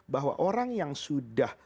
bahwa orang yang sudah